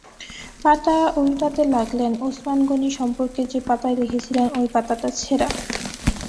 পাতা ওন্টাতে লাগলেন-ওসমান গনি সম্পর্কে যে-পাতায় লিখেছিলেন, ঐ পাতাটা ছেড়া।